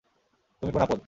তুমি কোন আপদ?